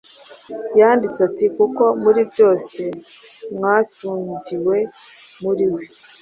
Yaranditse ati: “Kuko muri byose mwatungiwe muri we,